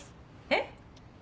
えっ？